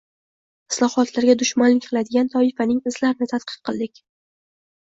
islohotlarga dushmanlik qiladigan toifaning «izlari»ni tadqiq qildik.